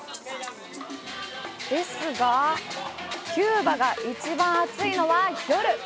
ですがキューバが一番熱いのは夜！